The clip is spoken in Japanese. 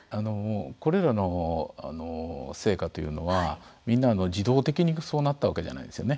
これらの成果というのはみんな自動的にそうなったわけじゃないですよね。